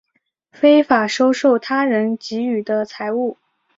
非法收受他人给予的财物